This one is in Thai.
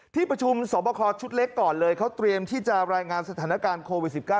ที่ประชุมสอบคอชุดเล็กก่อนเลยเขาเตรียมที่จะรายงานสถานการณ์โควิด๑๙